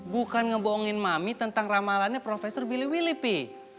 bukan ngebohongin mami tentang ramalannya profesor biliwili pi